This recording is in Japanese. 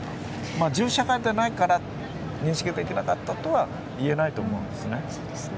銃社会でないから認識できなかったとは言えないと思うんです。